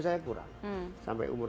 saya kurang sampai umur